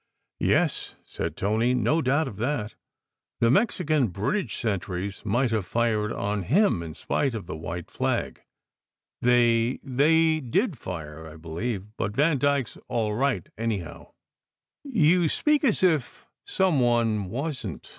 "Yes," said Tony, "no doubt of that. The Mexican bridge sentries might have fired on him in spite of the white flag. They they did fire, I believe. But Vandyke s all right, anyhow." 120 SECRET HISTORY "You speak as if some one wasn t."